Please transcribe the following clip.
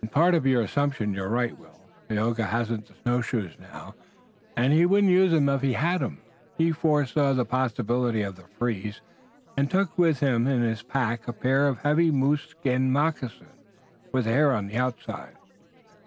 "In part of your assumption you're right, Will. Tayoga hasn't the snow shoes now, and he wouldn't use 'em if he had 'em. He foresaw the possibility of the freeze, and took with him in his pack a pair of heavy moose skin moccasins with the hair on the outside.